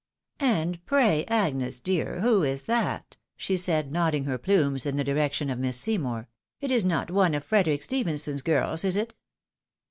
" And pray, Agnes dear, who is that ?" she said, nodding her plumes in the direction of Miss Seymour ;" it is not one of Frederic Stephenson's girls, is it